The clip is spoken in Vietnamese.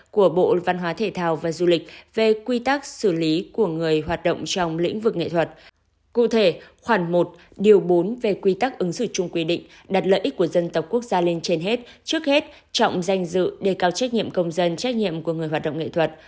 cụ thể khoảng một điều bốn về quy tắc ứng xử chung quy định đặt lợi ích của dân tộc quốc gia lên trên hết trước hết trọng danh dự đề cao trách nhiệm công dân trách nhiệm của người hoạt động nghệ thuật